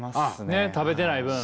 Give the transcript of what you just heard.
ねっ食べてない分。